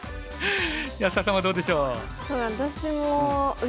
安田さんはどうでしょう？